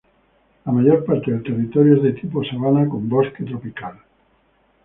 La mayor parte del territorio es de tipo sabana con bosque tropical.